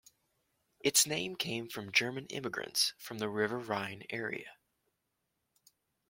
Its name came from German immigrants from the River Rhine area.